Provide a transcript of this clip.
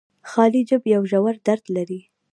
خالي جب يو ژور درد دې